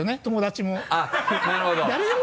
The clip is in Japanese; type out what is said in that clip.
友達も。